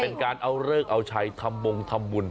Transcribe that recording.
เป็นการเอาเลิกเอาชัยทำบงทำบุญ